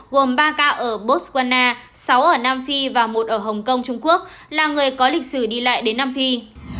gồm ba ca ở botswana sáu ở nam phi và một ở hồng kông trung quốc là người có lịch sử đi lại đến nam phi